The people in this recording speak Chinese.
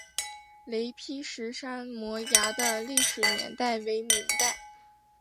雷劈石山摩崖的历史年代为明代。